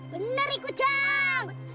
bener itu jeng